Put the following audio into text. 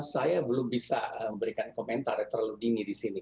saya belum bisa memberikan komentar terlalu dini di sini